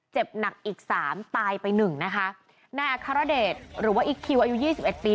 เจ็บหนักอีกสามตายไปหนึ่งนะคะนายอัครเดชหรือว่าอีกคิวอายุยี่สิบเอ็ดปี